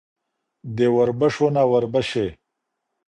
د وربشو نه وربشې.